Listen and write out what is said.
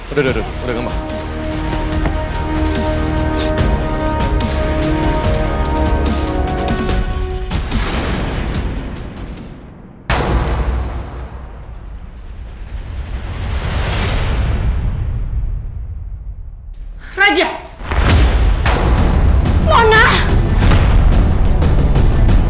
udah udah udah udah kembang